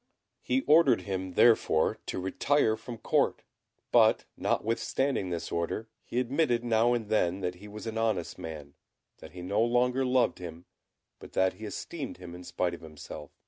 He ordered him, therefore, to retire from Court; but, notwithstanding this order, he admitted now and then that he was an honest man; that he no longer loved him, but that he esteemed him in spite of himself.